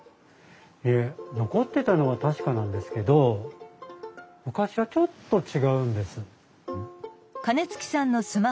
いえ残ってたのは確かなんですけど昔はちょっと違うんです。